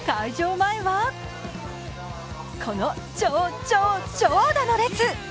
前はこの超、超、長蛇の列。